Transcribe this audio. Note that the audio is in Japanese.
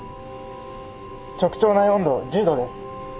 直腸内温度１０℃です。